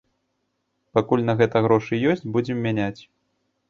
Пакуль на гэта грошы ёсць, будзем мяняць.